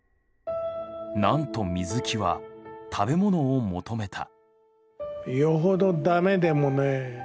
なんと水木は食べ物を求めた。